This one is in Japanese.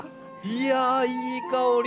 いやあいい香り。